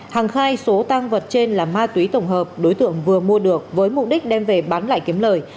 hằng khai số tăng vật trên là ma túy tổng hợp đối tượng vừa mua được với mục đích đem về bán lại kiếm lời